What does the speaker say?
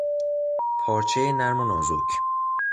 پارچهی نرم و نازک